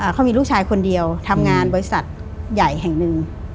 เขามีลูกชายคนเดียวทำงานบริษัทใหญ่แห่งหนึ่ง